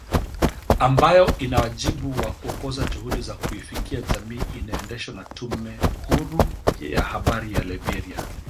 ambayo ina wajibu wa kuongoza juhudi za kuifikia jamii inayoendeshwa na Tume Huru ya Habari ya Liberia